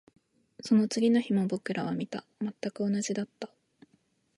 その次の日も僕らは見た。全く同じだった。